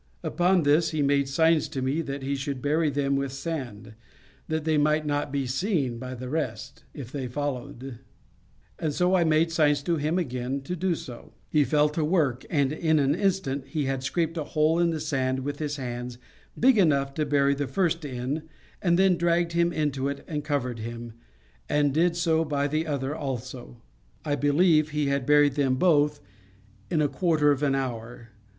Upon this he made signs to me that he should bury them with sand, that they might not be seen by the rest, if they followed; and so I made signs to him again to do so. He fell to work; and in an instant he had scraped a hole in the sand with his hands big enough to bury the first in, and then dragged him into it, and covered him, and did so by the other also; I believe he had buried them both in a quarter of an hour.